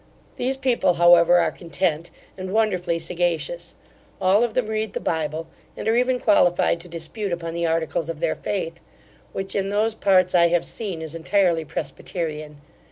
These people, however, are content, and wonderfully sagacious All of them read the Bible, and are even qualified to dispute upon the articles of their faith; which in those parts I have seen, is entirely Presbyterian.